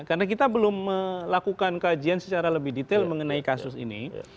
karena kita belum melakukan kajian secara lebih detail mengenai kasus ini